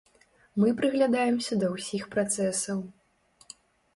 Мы прыглядаемся да ўсіх працэсаў.